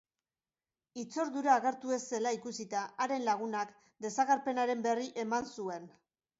Hitzordura agertu ez zela ikusita, haren lagunak desagerpenaren berri eman zuen.